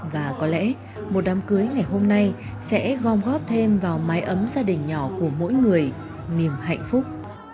và có lẽ một đám cưới ngày hôm nay sẽ gom góp thêm vào mái ấm gia đình nhỏ của mỗi người niềm hạnh phúc